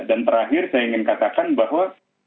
dan terakhir saya ingin katakan bahwa